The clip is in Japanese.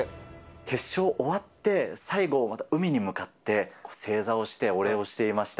決勝終わって、最後、海に向かって正座をして、お礼をしていました。